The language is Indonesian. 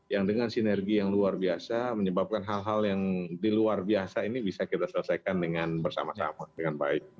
yang dengan sinergi yang luar biasa menyebabkan hal hal yang di luar biasa ini bisa kita selesaikan dengan bersama sama dengan baik